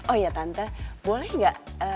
oh iya tante boleh enggak